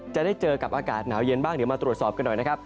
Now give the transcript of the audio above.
จะได้เจอกับอากาศหนาวเย็นบ้างเดี๋ยวมาตรวจสอบกันหน่อยนะครับ